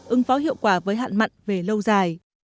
ứng phó hiệu quả với hạn mặn về lâu dài